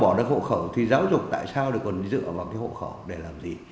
công an mà bỏ được hộ khẩu thì giáo dục tại sao còn dựa vào hộ khẩu để làm gì